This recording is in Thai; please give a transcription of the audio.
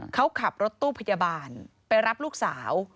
เขาขับรถตู้พยาบาลไปรับลูกสาว